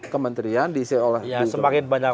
kementerian diisi oleh semakin banyak